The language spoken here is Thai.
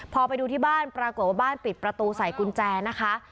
พอไปดูที่บ้านปรากฏว่าบ้านปิดประตูใส่กุญแจนะคะ